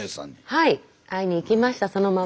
はい会いに行きましたそのまま。